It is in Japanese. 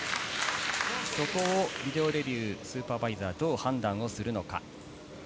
そこをビデオレビュー、スーパーバイザーは、どう判断するのか。